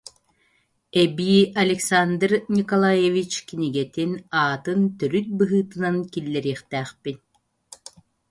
эбии Александр Николаевич кинигэтин аатын төрүт быһыытынан киллэриэхтээхпин